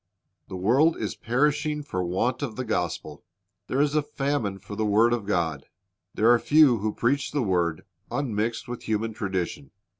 The world is perishing for want of the gospel. There is a famine for the word of God. There are {q.\n who preach the word unmixed with human tradition.